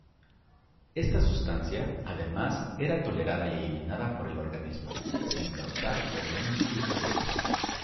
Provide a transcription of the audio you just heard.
Esta sustancia, además, era tolerada y eliminada por el organismo sin causar problemas ulteriores.